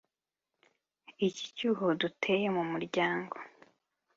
Iki cyuho uduteye mu muryango